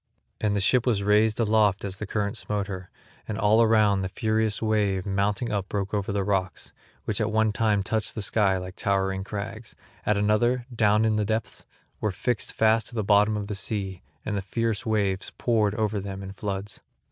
And the ship was raised aloft as the current smote her, and all around the furious wave mounting up broke over the rocks, which at one time touched the sky like towering crags, at another, down in the depths, were fixed fast at the bottom of the sea and the fierce waves poured over them in floods.